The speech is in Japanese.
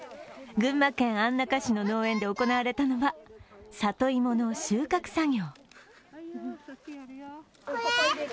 群馬県安中市の農園で行われたのは里芋の収穫作業。